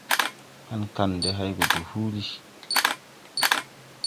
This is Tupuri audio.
Paŋ kandɛ hay go de huuli.